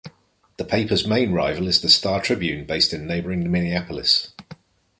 The paper's main rival is the "Star Tribune", based in neighboring Minneapolis.